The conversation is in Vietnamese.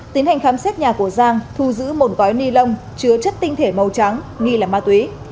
tiến hành khám xét nhà của giang thu giữ một gói ni lông chứa chất tinh thể màu trắng nghi là ma túy